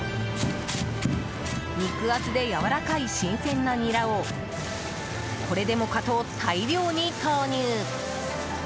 肉厚でやわらかい新鮮なニラをこれでもかと大量に投入。